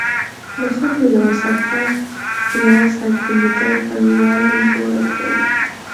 د خټو یوه صفحه په یوه سانتي متر پنډوالي جوړه کړئ.